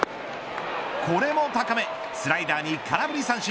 これも高めスライダーに空振り三振。